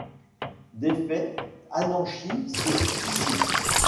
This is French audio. Défait, Hananchi se suicide.